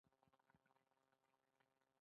ښارونه د افغانستان د صادراتو برخه ده.